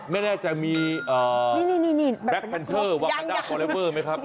แน่แน่จะมีแบ๊กแคนเตอร์ตัวพลังพย์ไหมครับ